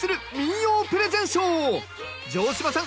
城島さん